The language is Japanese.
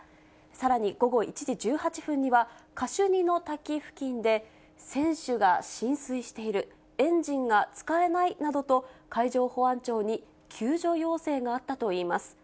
さらに午後１時１８分には、カシュニの滝付近で、船首が浸水している、エンジンが使えないなどと、海上保安庁に救助要請があったといいます。